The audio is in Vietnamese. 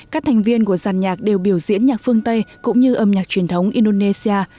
các thành viên của giàn nhạc đều biểu diễn nhạc phương tây cũng như âm nhạc truyền thống indonesia